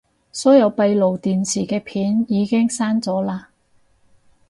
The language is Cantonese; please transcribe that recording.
所有閉路電視嘅片已經刪咗喇